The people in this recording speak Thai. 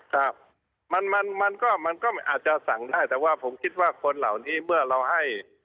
ครับมันมันก็มันก็อาจจะสั่งได้แต่ว่าผมคิดว่าคนเหล่านี้เมื่อเราให้